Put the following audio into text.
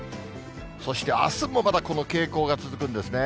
そしてあすもまだこの傾向が続くんですね。